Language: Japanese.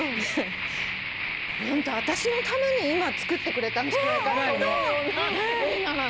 ホント私のために今つくってくれたんじゃないかって思うような映画なの。